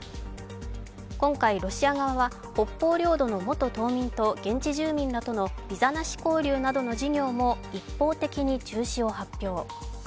今回、ロシア側は北方領土の元島民と現地住民らとのビザなし交流などの事業も一方的に中止を発表。